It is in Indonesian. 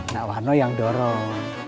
nak warno yang dorong